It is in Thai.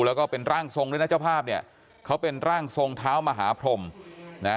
แล้วก็เป็นร่างทรงด้วยนะเจ้าภาพเนี่ยเขาเป็นร่างทรงเท้ามหาพรมนะ